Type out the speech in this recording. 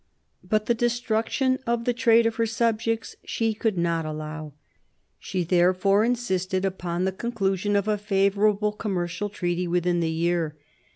But the destruction of the trade of her subjects she could not allow. She therefore insisted upon the conclusion of a favourable commercial treaty within the year.